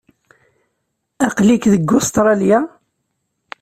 Aql-ik deg Ustṛalya?